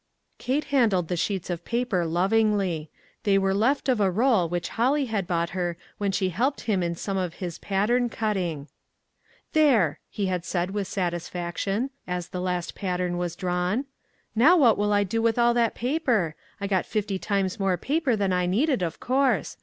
Kate handled the sheets of paper lov ingly. They were left of a roll which Holly had bought her when she helped him~ in some of his pattern cutting. " There !" he had said, with satisfaction, as the last pattern was drawn, "now what "WHAT IS THE USE?" 20$ will I do with all that paper? I got fifty times more paper than I needed, of course.